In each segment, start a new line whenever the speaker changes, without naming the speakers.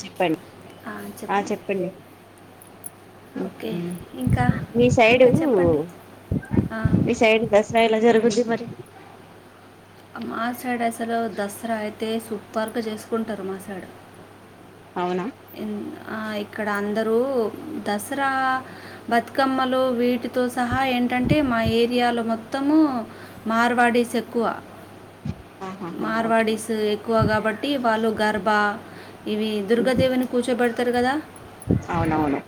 చెప్పండి ఆ చెప్పండి
ఓకే ఇంకా
మీ సైడు
ఇంకా చెప్పండి ఆ,
మీ సైడ్ దర్శనం ఏలా జరుగుద్ది మరి
మ సైడ అసలు దసరా అయి అయితే సుట్పార్గా చేసుకుంటారు మా సైడ్.
అవునా
ఆ ఇక్కడ అందరూ దసరా బతుకమ్మలు వీటి తో సహా ఏంటంటే మా ఏరియాలో మొత్తం మొత్తము మార్వాడేస్ ఎక్కువ
ఆహాహా ఓకే
మార్వాడీస్ ఎక్కువ కాబట్టి వాళ్ళు గర్భ ఇవి ఎదరు.
ఓకే
దేవని కూచబడు ఉత్తరు కదా
అవునవును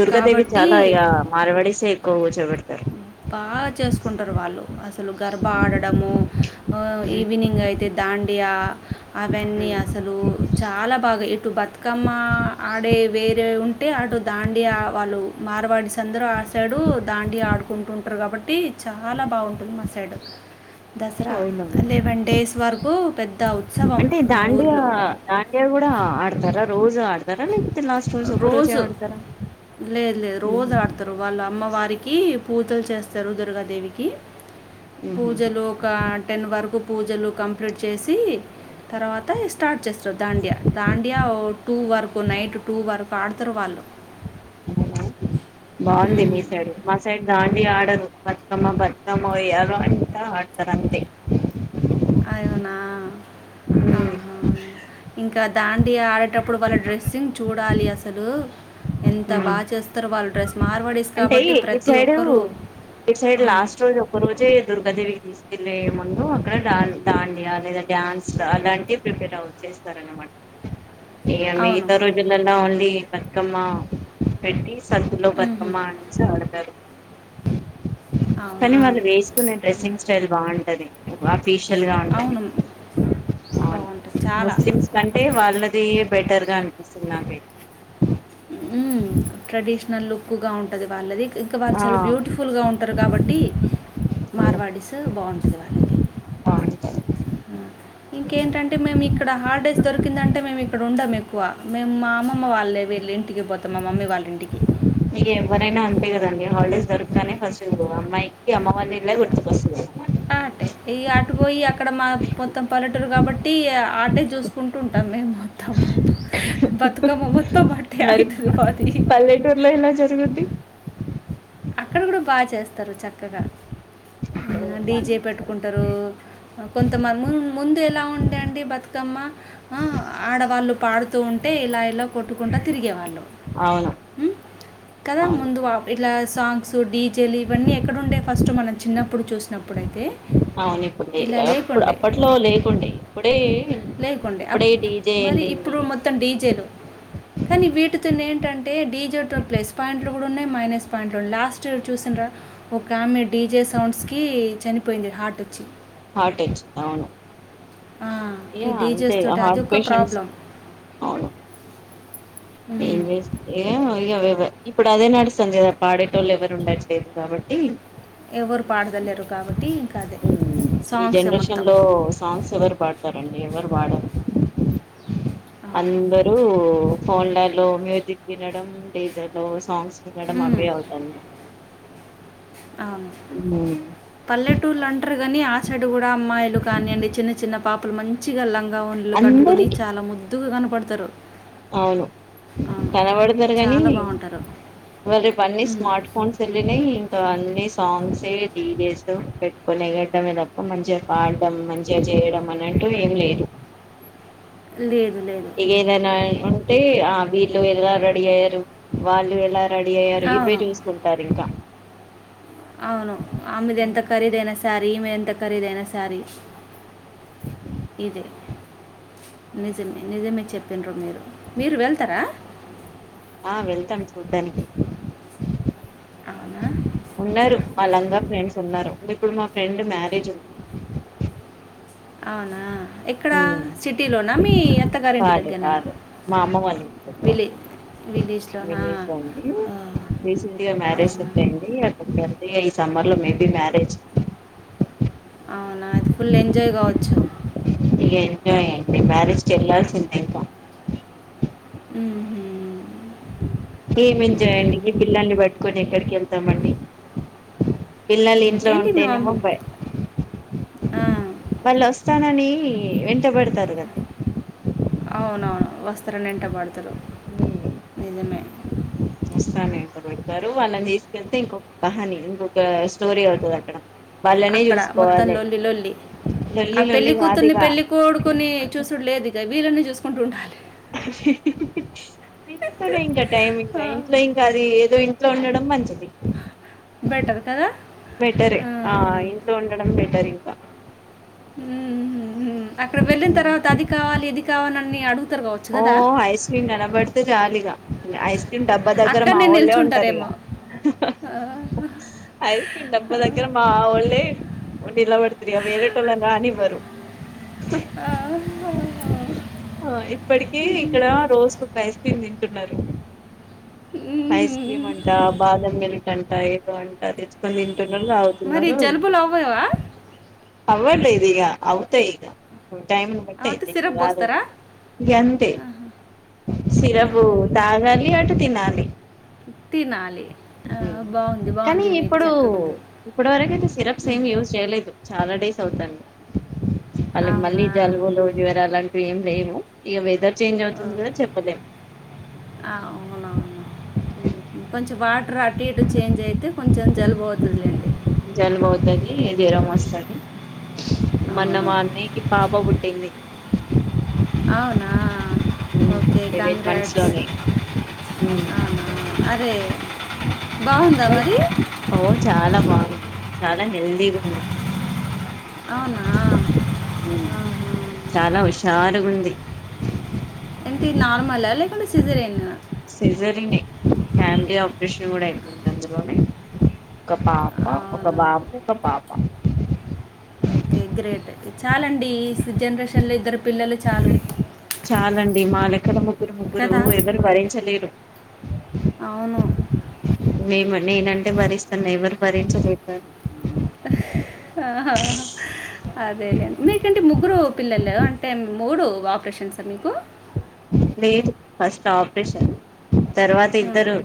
దుర్గాదేవి
కాబట్టి
చాలా ఇక మారవడిసే ఎక్కువ కూర్చోపేడ్.
బాగా చేసుకుంటారు వాళ్ళు అసలు గర్భ ఆడడము
ఉమ్
ఈవినింగ్ అయితే దాం బియా అవన్నీ అసలు చాలా బాగా బతుకమ్మ ఆడే వేరే ఉంటే అటు దాండి వాళ్ళు మారవాడిస్ అందరూ ఆ సైడు దాండి ఆ డుకుంటుంటారు కాబట్టి చాలా బాగుంటుంది మా సైడ్ దసరా
అవునవును
లెవెన్ డేస్ వరకు పెద్ద ఉత్సవం
అంటే
మా
దాండియా
ఊర్లో
దాండియా కూడా ఆడతారా రోజు ఆడుతారా లే
రోజు లేదు లేదు రోజు ఆడతారు
ఉహు
వాళ్ళు అమ్మవారి కి పూజలు చేస్తారు దుర్గాదేవికి పూజలు ఒక టెన్ వరకు పూజలు కంప్లీట్ చేసి తర్వాత స్టార్ట్ చేస్తారు దాండియా దాండియా టూ వరకు నైట్ టూ వారుకు ఆడుతారు వాళ్ళు.
అవునా బాగుంది మీ
ఉమ్,
సైడ్ మా సైడ్ దాండడి ఆడదు బతుకమ్మ బతుకమ్మఉయ్యాలో అంటా ఆడతారు అంతే.
అయన నా ఆహా ఇంకా దాం డియా ఆడేటప్పుడు వాళ్ డెస్సింగ్ చూడ చూడాలి అసలు ఎంత
హు
బాగా చేస్తారు వాళ్ళ డ్రెస్ మార్వాడీస్
అంటే
కాబట్టి
ఇటు
ప్రతి
సైడు
ఒక్కరు
ఇటు సైడ్
ఆ,
లాస్ట్ రోజు ఒక్క రోజే దుర్గాదేవికి తీసుకు కింద ఎమ్ ముందు అక్కడ దాండియా లేదా డ్యాన్స్ అలాంటివి ప్రిపేర్ అవుచ్చేస్తారు అన్నమాట ఇగ
అవును
మిగతారోజులలో ఓన్లీ బతుకమ్మ పెట్టి సద్దుల
ఉహుం.
బతుకమ్మనించి ఆడతారు కానీ
అవునా
వాళ్ళు వేసుకునే డ్రెస్సింగ్ స్టైల్ బాగుంటది [inaudible] స్పెషిల్ గా ఉంటాంది
అవును
అవును
బాగుంటుంది చాలా
ముస్లిమ్స్ కంటే వాళ్ళది బెటర్గా అనిపిస్తుంది నాకైతే
ఊ ట్రెడిషనల్ లుక్ గా ఉంటది వాళ్ళది ఇంకా వాళ్ళు
ఆ
చాలా బ్యూటిఫుల్గా ఉంటారు కాబట్టి మార్వాడస్ బాగుంటుంది వాళ్ళకి
బాగుంటది
ఇంకేంటంటే మేము ఇక్కడ హాలిడేస్ దొరికిందంటే మేము ఇక్కడ ఉండం ఎక్కువ మేము మా అమమ్మ వాళ్ళే వెళ్ళింటి ఇంటికి పోతాం మా మమ్మీ వాళ్ళ ఇంటికి
ఇక ఎవరైనా అంతే హాలిడేస్ దోరగకనే ఫస్ట్ అమ్మాయికి అమ్మ వాళ్ల ఇల్లే గుర్తుకొస్తుంది ఫస్ట్
ఆటే ఇగ అటు పోయి అక్కడ మా మొత్తం పల్లెటూరు కాబట్టి ఆటే చూసుకుంటూ ఉంటాం మేము అత్తమ్మ బతుకమ్మ మొత్తం ఆటే
మరి
అయితది మాది
పల్లెటూరులో ఎలా జరుగుద్ది
అక్కడ కూడా బాగా చేస్తా అందరూ చక్కగా ఆ డీజే పెట్టుకుంటారు కొంత ము ముందే ఎలా ఉండే అండి బతుకమ్మ ఆ ఆడవాళ్లు పాడుతూ ఉంటే ఇలా ఇలా కొట్టుకుంటూ తిరిగేవాళ్లు
అవును
ఉ కదా
అవును
ముందు వాళ్లు ఇట్లా స్ సాంగ్స్ డీ జెలు ఇవన్నీ ఎక్కడుండే ఫస్ట్ మనం చిన్నప్పుడు చూసినప్పుడైతే
అవును ఇప్పుడు
ఇలా
అప్పుడు
లేకుండే
అప్పట్లో లేకుండే ఇప్పుడే
లేకుండే అప్
ఇప్పుడే డీజే
మరి
వెళ్ళింది
ఇప్పుడు మొత్తం డీజేలు కానీ వీటితోని ఏంటఆ ఏ డీజే తో ప్లేస్ పాయింట్ ప్లస్సులు ఉన్నాయి మైనస్ పాయింట్ లు ఉన్నయి లాస్ట్ ఇయర్ చూసిండ్రా ఒక ఆమె డీజే సౌండ్స్ కి చనిపో పోయింది హార్ట్ వచ్చి
హార్ట్ వచ్చి అవును
ఆ
ఇగ
ఈ
అంతే
డిజెస్ తోటి అది
హార్ట్
ఒక
పేషెంట్స్
ప్రాబ్లం
అవును ఏం
ఉమ్,
చేస్తూ ఏమో ఇగ గాదె ఇప్పుడు అదే నడుస్తోంది కదా పాడేటోళ్ళు ఎవరు ఉండట్లేదు కాబట్టి
ఎవరు పాడుతలేరు కాబట్టి ఇంకా అదే
ఈ
సాంగ్స్ ఎ
జనరేషన్
మొత్తం
వాడే
అవును
అందరూ ఫోన్ లైడ్లో లో మ్యూజిక్ వినడం డీజే డోస్ సాంగ్స్ వినడం
ఉమ్,
అవే అవుతాంది
అవును పల్లెటూర్లు అంట్రూ గని ఆ సైడ్ కూడా అమ్మాయిలు కానీయండి చిన్న చిన్న పాపలు మంచిగా లంగ్ గౌన్లు కట్టుకుని
అందరికి
చాలా ముద్దుగా కన్ పడతరు
అవును కనబడుతరు కానీ
చాలా బాగుంటారు
ఇవాళ రేపు అన్ని
ఉమ్,
స్మార్ట్ ఫోన్స్ ఎళ్ళినాయి అన్ని సాంగ్స్ ఏ డీజే స్ పెట్టుకొని ఎగడ్డమే తప్ప మంచిగా పాడడం మంచిగా చేయడం అనీ అంటూ ఏం లేదు
లేదు లేదు
ఇగేదనా
అవును.
ఉంటే అవి ఎలా రెడి అయ్యారు వాళ్ళు ఎలా రెడీ అయ్యారు ఇవే
అవును
చూసుకుంటారు ఇంకా
అవును ఆమెది ఎంత ఖరీదైన సారీ ఈమె ఎంత ఖరీదైనా సారీ ఇదే నిజమే నిజమే చెప్పిన్ర మీరు మీరు వెళ్తారా
ఆ వెళ్తాను చూడ్డానికి
అవునా
ఉన్నారు అ లంగా ఫ్రెండ్స్ ఉన్నారు ఇప్పుడు మా ఫ్రెండ్ మ్యారేజ్ ఉంది
అవునా ఎక్కడ
హ్మ్మ్
సిటీలోనా మీ అత్తగారింటి దగ్గరనా
కాదుకాదు మా అమ్మ వాళ్ళు ఇంటి దగ్గర
విలే విలేజ్లోనా
వినీష్ అని
ఆ,
రీసెంట్ గా మ్యారేజ్
అవునా
సెట్టైంది అప్పుడు అ ఈ సమ్మర్ లో మేబి మ్యారేజ్
అవునా అది ఫుల్ ఎంజాయ్ కావచ్చు
న మ్యారేజ్కి వెళ్ళాల్సిందంత
ఉహూ
ఏమేం చేయండి ఈ పిల్లల్ని పట్టుకొని ఎక్కడ ఎంత మంది పిల్లలు ఇంట్లో
ఇంకేంటి మీ మమ్
ఉంటేనేమో భయం
ఆ,
వాళ్ళు వస్తానని ఇష్టపడతారు కదా
పిల్లలు వెంటబడతారు
హ్మ్మ్ వస్తా అనే వెంట బడతారు వాళ్ళని తీసుకెళ్తే ఇంకొక కహానీ ఇంకొక స్టోరీ అవుతదక్కడ
అక్కడ మొత్తం లొల్లిలోల్లి ఆ
లొల్లి
పెళ్లి
లొల్లి కాదు
కూతుర్ని
ఇక
పెళ్లి కోడుకుని చూసుడులేదు. ఇక వీల్లనే చూసుకుంటూ ఉండాలి.
వీటితోనే ఇంకా టైమ్ ఇంకా ఇంట్లో ఇంకా అది ఏదో ఇం ఇంట్లో ఉండడం మంచిది.
బెటర్ కదా
బెటరే ఆ ఇంట్లో ఉండడం బెటర్ ఇంకా
ఊ ఊ ఇది కావాలి అని అడుగుతారు కావచ్చు
ఓ
కదా
ఐస్ క్రీమ్ కనబడితే చాలిగా ఐస్ క్రీమ్ డబ్బా దగ్గర మా
అక్కడనే
వోళ్ళే ఉంటరీగ
నిల్చుంటారేమో ఆ,
ఐస్ క్రీమ్ డబ్బా దగ్గర మా వోళ్ళే ఇలా పడ్తురి అ వేరరేటోల్లని రానివ్వరు.
ఆ,
ఆ ఇప్పటికి ఇక్కడ రోజు ఒక ఐస్ క్రీమ్ తిం ంటున్నారు. ఐస్ క్రీమ్
మ్మ్.
అంట బాదమ్ మిల్క్ అంట బాన్ తెచ్చుకోని తింటున్నారు
మరి
తాగుతున్నారు తా
జలుబులు అవ్వవా
అవ్వట్లేదిగా ఇగ అవుతయ్ ఇగ టైమ్ని బట్టే
అవుతే
అయితయ్
సిరప్
[unintelligible]
పోస్తారా
ఇంగ అంతే సిరప్
మ్మ్.
తాగాలి అటు తినాలి.
తినాలి ఆ,
ఉ
బాగుంది
కానీ
బాగుంది మీరు
ఇప్పుడు
చక్కగా ఉంది
ఇప్పుడు వరకయితే సిరప్స్ ఏం
మ్మ్.
యూజ్ చేయలేదు చాలా డేస్ తాగుతన్ వాళ్ళకి మళ్ళీ
అవునా
జలుబులు జ్వరాలాంటివి ఏం లేము ఇగ వెదర్ చేంజ్ అవుతుంది కదా చెప్పలేం
ఆ, అవునవును
ఉ
రటు ఇటు చేంజ్ అయితే కొంచెం జలుబవుతదిలేండి.
జలుబవ్తది జ్వరం వస్తది. మన్న
అవును
మా అన్నయ్యకి పాప బుట్టింది.
అవునా ఓకే
సెవెన్ మంత్స్
కంగ్రాట్స్
లోనే
అవునా అరే బాగుందా
బ
మరి
ఓ చాలా బాగుంది. చాలా హెల్దిగుంది.
అవునా
ఊ
ఆహా.
చాలా హుషారుగుంది.
అ సీజరిన్
సిజరనే ఫ్యామిలీ ఆపరేషన్ కూడా అయిపోయింది అందులోనే ఒక పాప ఒక
అవునా
బాబు ఒక పాప
ఓకే గ్రేట్ చాలండి జనరేషన్ లో ఇద్దరు పిల్లలు చాలు
చాలండి మా లెక్కడ ముగ్గురు ముగ్గురు
కదా
ఎవరు భరించలేరు
అవును
మేమ నేనంటే భరిస్తాను ఎవరు భరించలేత
అదేలేండి మీకంటే ముగ్గురు పిల్లలే అంటే మూడు ఆపరేషన్స మీకు
లేదు ఫస్ట్ ఆపరేషన్ తర్వాత ఇద్దరు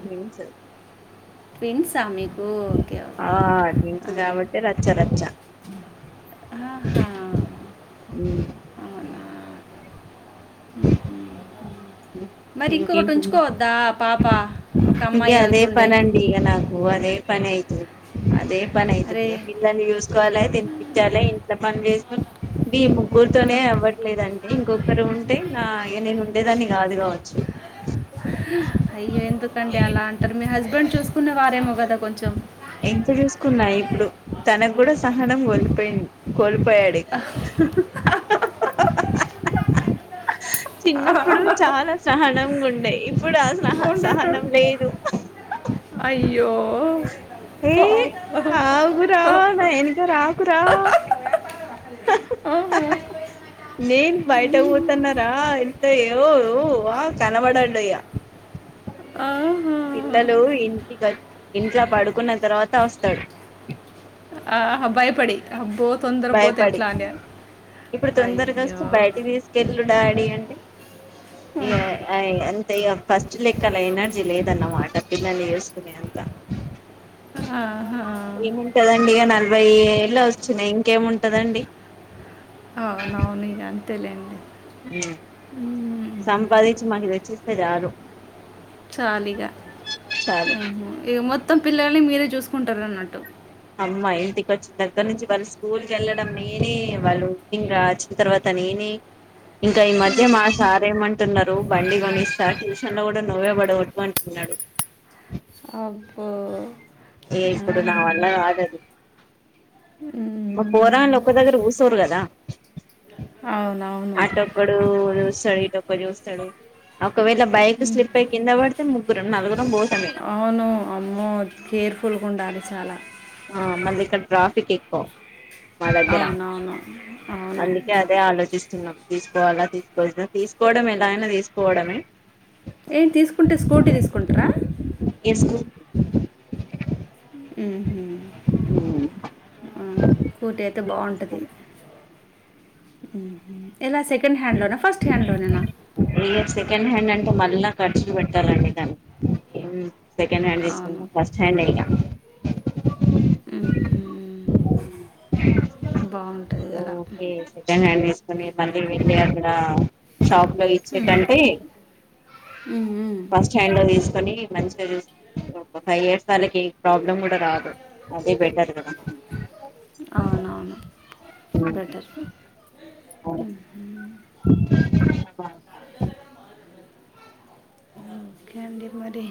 ట్విన్స్ హ మిక్
ఆస్ కాబట్టటి రచ్చ రచ్చ
ా మరి ఇంకొకటి ఉంచుకోవద్దా పాప ఒక
ఇంక
అమ్మాయి
అదే
అవుతుండే
పనండి నాకు అదే పని అయితే అదే పని అయితది
అరే
పిల్లల్ని చూసు వాలే తిపించాలి ఇంట్ల పని చేస్ ఇ
ఆ.
ముగ్గురుతోనే అవ్వట్లేదండి ఇంకొకరు ఉంటే నా ఇగ నేను ఉండేదాన్ని కాదు కావచ్చు
కండి అలా అంటారు మీ హస్బెండ్ చూసుకునే వారేమో కదా కొంచెం
ఎంత చూసుకున్నా ఇప్పుడు తనకు కూడా సహనం కోల్పోయింది కోల్పోయాడు ఇక చిన్నప్పుడు చాలా సహనంగా ఉం ఇఫ్ ఇప్పుడు ఆ సహ
ఉండటం
సహనం లేదు
అయ్యో
ఏయ
పాప
ఆగురా నా ఎనక రాకురా
ఆహా
నేన్ బయట పోతన్నార ఎంత ఊ డు ఆ తలబడడియ్య
ఆహా
ఇంట్ల పడుకున్న తర్వాత వస్తాడు
ఆహబ్బాయి
భయపడి ఇప్పుడు తొందరగా
అయ్యో
వస్త బయటి తీసుకెళ్ళు డాడీ అంటే ఇయ అయి అంతే ఇగ ఫస్ట్ లే కా లా ఎనర్జీ లేదన్న మాట పిల్లల్ని చేసుకునే అంత
ఆహా.
ఏముంటదండి ఇగ నలభై లా వచ్చినయి ఇంకేముంటదండి
అవునవును ఇగ అంతే లేండి
హ్మ్ సంపాదించి మాకు తెచ్చి ఇస్తే చాలు
చాలీగా
చాలు
ఈ మొత్తం పిల్లోల్ని మీరే చూసుకుంటారు అన్నట్టు
అమ్మా ఇంటికి వచ్చిన దగ్గర నుంచి వాళ్ళు స్కూల్ కెళ్ళడం నేనే వాళ్ళు [unintelligible] వచ్చిన తర్వాత నేనే ఇంక ఈ మధ్య
ఉహు.
మా సార్ ఏమంటున్నరు టు బండి కొనిస్తా ట్యూషన్ లో కూడా నువ్వే పడగొట్టు అంటున్నాడు
అబ్బో
ఏ ఇప్పుడు నా
ఆహా.
వల్ల కాదది మా
ఉమ్.
పోరగాండ్లు ఒక్క దగ్గర కూసోరు కదా
అవునవును
అట్టొక్కడు చూస్ స్తాడు ఇటోక్కడు చూస్తాడు అప్ ఒకవేళ బైక్ స్లిప్ అయి కింద పడితే ముగ్ గ్గురం నలుగురం భో
అవును అమ్మో కేర్ఫుల్ గుండాలి చాలా
ఆ మళ్ళిక్కడ ట్రాఫిక్ ఎక్కువ మా దగ్గర
అవునవును అవును
అందుకే అదే ఆలోచిస్తున్నాం తీసుకోవాలా తీసుకో [inaudible] తీసుకోవడం ఎలాగైనా తీసుకోవడమే
ఏం తీసుకుంటే స్కూటీ తీసుకుంటరా
ఎస్కు
ఊ హు స్కూటీ అయితే బాగుంటది. హుమ్మ్ ఏలా సెకండ్ హ్యాండ్ లో నా ఫస్ట్ హ్యాండ్ లోనేనా
ఇగ సెకండ్ హ్యాండ్ అంటే మళ్ళా ఖర్చులు పెట్టాలండి దానీకి హు సెకండ్ హ్యాండ్
అవును
తీసుకుంటాం ఫస్ట్ హ్యాండె ఇగ
బావున్
ఓకే సెకండ్ హ్యాండ్ తీస్ తీసుకొని మళ్లీ వెళ్ళి అక్కడ షాప్ లో
మ్మ్.
ఇచ్చేకంటే
మ్మ్.
ఫస్ట్ హ్యాండ్ లో తీసుకొని మంచిగా చూసి ఒక ఫైవ్ ఇయర్స్ వాళ్ళకి ప్రాబ్లమ్ కూడా రాదు అదే బెటర్ కదా
అవునవును బెటర్
అవును [unintelligible]
ఇంకెంది మరి